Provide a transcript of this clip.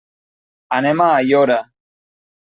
Anem a Aiora.